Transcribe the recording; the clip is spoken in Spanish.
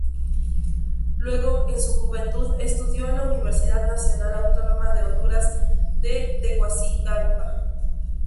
Luego en su juventud estudio en la Universidad Nacional Autónoma de Honduras de Tegucigalpa.